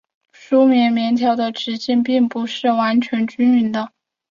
梳棉棉条的直径并不是完全均匀的。